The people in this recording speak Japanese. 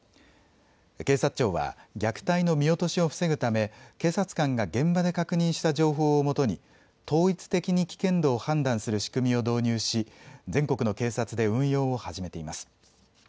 警察庁は虐待の見落としを防ぐため警察官が現場で確認した情報をもとに統一的に危険度を判断する仕組みを導入し全国の警察で運用を始めています。